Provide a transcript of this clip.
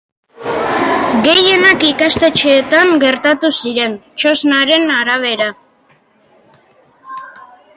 Gehienak ikastetxeetan gertatu ziren, txostenaren arabera.